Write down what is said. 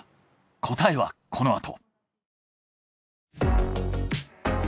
答えはこのあと！